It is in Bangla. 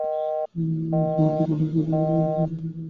বিকানের জেলা বিকানের বিভাগের একটি অংশ।